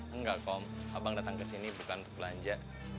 enggak kom abang datang kesini bukan untuk belanja